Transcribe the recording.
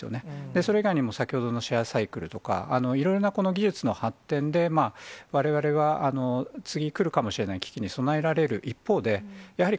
それ以外にも、先ほどのシェアサイクルだとか、いろいろな技術の発展で、われわれは次来るかもしれない危機に備えられる一方で、やはり、